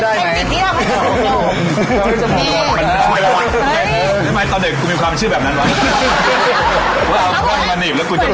เพื่อนมอนต้นทุกคนจำได้